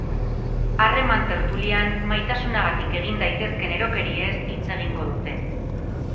Harreman tertulian, maitasunagatik egin daitezkeen erokeriez hitz egingo dute.